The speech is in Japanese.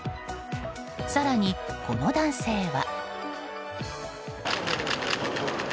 更に、この男性は。